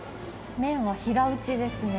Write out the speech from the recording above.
麺は平打ちですね。